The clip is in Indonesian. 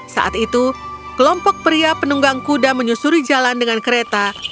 saat itu kelompok pria penunggang kuda menyusuri jalan dengan kereta